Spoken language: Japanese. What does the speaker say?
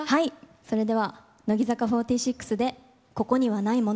それでは乃木坂４６で、ここにはないもの。